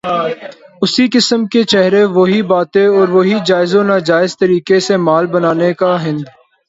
اسی قسم کے چہرے، وہی باتیں اور وہی جائز و ناجائز طریقے سے مال بنانے کا ہنر۔